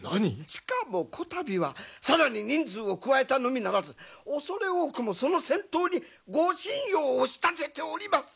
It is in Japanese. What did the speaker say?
しかもこたびは更に人数を加えたのみならず恐れ多くもその先頭にご神輿を押し立てております。